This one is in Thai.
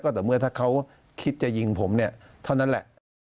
แต่เมื่อถ้าเขาคิดจะยิงผมเนี่ยเท่านั้นแหละ